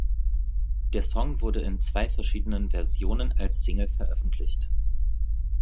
Der Song wurde in zwei verschiedenen Versionen als Single veröffentlicht.